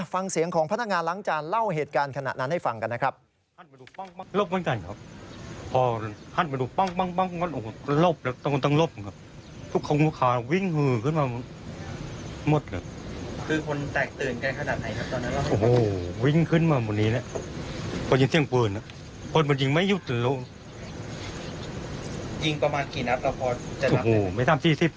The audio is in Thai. ฟังเสียงของพนักงานล้างจานเล่าเหตุการณ์ขณะนั้นให้ฟังกันนะครับ